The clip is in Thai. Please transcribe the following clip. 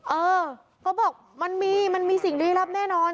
เออเขาบอกมันมีมันมีสิ่งลี้ลับแน่นอน